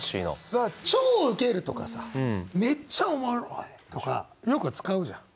さあ「超ウケる」とかさ「めっちゃおもろい」とかよく使うじゃん。